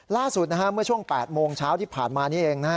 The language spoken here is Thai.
ล่าสุดเมื่อช่วง๘โมงเช้าที่ผ่านมานี่เอง